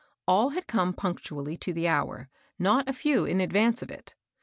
All had pome punctually to the hour, not a few in advance of it.